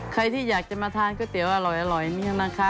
ใครที่อยากจะมาทานก๋วยเตี๋ยวอร่อยเนี่ยนะคะ